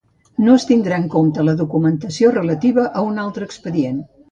No es tindrà en compte la documentació relativa a un altre expedient.